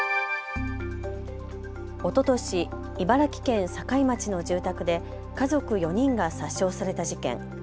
おととし、茨城県境町の住宅で家族４人が殺傷された事件。